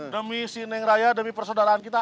demi si neng raya demi persaudaraan kita